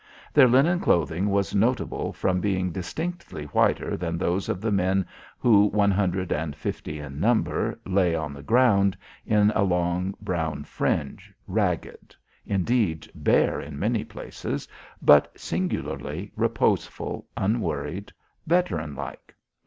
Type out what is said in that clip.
Their linen clothing was notable from being distinctly whiter than those of the men who, one hundred and fifty in number, lay on the ground in a long brown fringe, ragged indeed, bare in many places but singularly reposeful, unworried, veteran like.